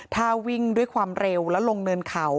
ถ้าวิ่งด้วยความเร็วแล้วลงเนินเขา